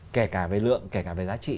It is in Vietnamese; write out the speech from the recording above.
kể cả về lượng kể cả về giá trị